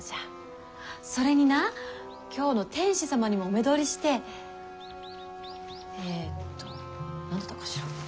それにな京の天子様にもお目通りしてえっと何だったかしら。